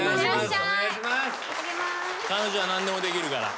彼女は何でもできるから。